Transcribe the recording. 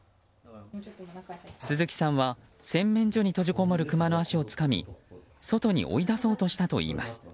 鈴木さんは洗面所に閉じこもるクマの足をつかみ外に追い出そうとしたといいます。